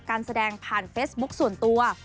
การแสดงผ่านเฟซบุ๊คส่วนตัว